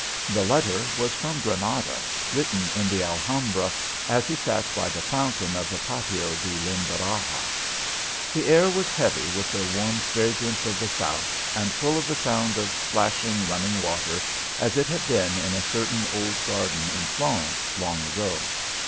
The letter was from Granada, written in the Alhambra, as he sat by the fountain of the Patio di Lindaraxa. The air was heavy with the warm fragrance of the South and full of the sound of splashing, running water, as it had been in a certain old garden in Florence, long ago.